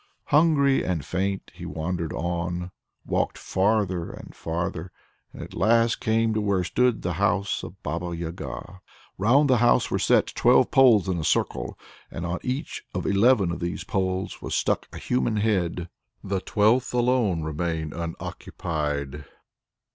Hungry and faint he wandered on, walked farther and farther and at last came to where stood the house of the Baba Yaga. Round the house were set twelve poles in a circle, and on each of eleven of these poles was stuck a human head, the twelfth alone remained unoccupied.